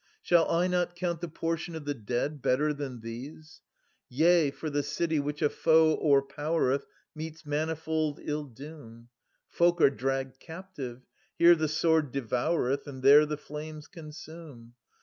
Shall I not count the portion of the dead Better than these ? Yea, for the city which a foe o'erpowereth Meets manifold ill doom. . [340 Folk are dragged captive : here the sword devoureth, And there the flames consume.